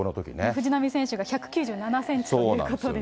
藤浪選手が１９７センチということで。